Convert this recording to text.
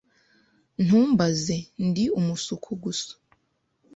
Ntumbaze. Ndi umusuku gusa.